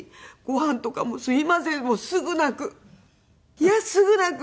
いやすぐ泣く。